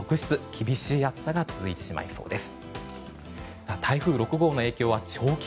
厳しい暑さが続いてしまいそうです。